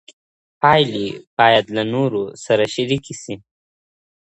پايلې بايد له نورو سره شريکي سي.